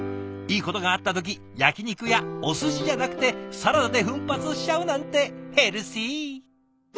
いいことがあった時焼き肉やおすしじゃなくてサラダで奮発しちゃうなんてヘルシー。